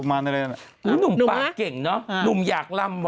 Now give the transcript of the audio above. หนุ่มปากเก่งเนอะหนุ่มอยากลำว่